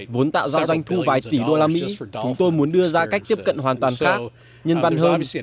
vốn tạo ra doanh thu vài tỷ đô la mỹ chúng tôi muốn đưa ra cách tiếp cận hoàn toàn khác nhân văn hơn